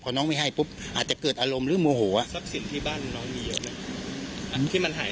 พอน้องไม่ให้ปุ๊บอาจจะเกิดอารมณ์หรือโมโหอ่ะ